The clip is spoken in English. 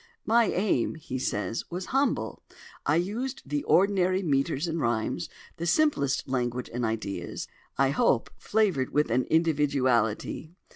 "My aim," he says, "was humble. I used the ordinary metres and rhymes, the simplest language and ideas, I hope, flavoured with an individuality.